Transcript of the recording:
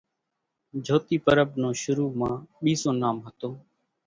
جھوتي پرٻ نون شرُو مان ٻيزون نام ھتون